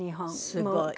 すごい。